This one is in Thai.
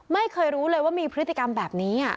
ไม่เคยรู้เลยว่ามีพฤติกรรมแบบนี้